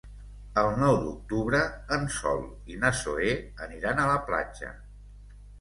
El nou d'octubre en Sol i na Zoè aniran a la platja.